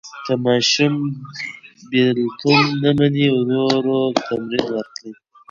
که ماشوم بېلتون نه مني، ورو ورو تمرین ورکړئ.